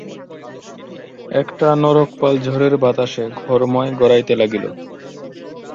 একটা নরকপাল ঝড়ের বাতাসে ঘরময় গড়াইতে লাগিল।